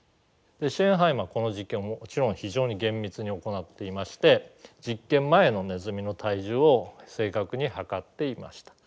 シェーンハイマーはこの実験をもちろん非常に厳密に行っていまして実験前のネズミの体重を正確に量っていました。